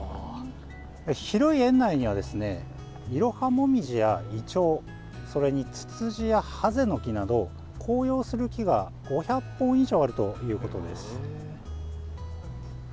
広い園内にはイロハモミジやイチョウ、それにツツジやハゼノキなど紅葉する木が５００本以上あるということです。